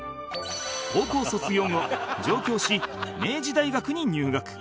高校卒業後上京し明治大学に入学